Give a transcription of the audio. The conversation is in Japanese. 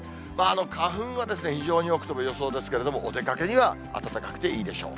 花粉は非常に多く飛ぶ予想ですけれども、お出かけには暖かくていいでしょう。